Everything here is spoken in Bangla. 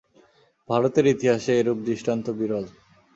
ভারতের ইতিহাসে এরূপ দৃষ্টান্ত বিরল।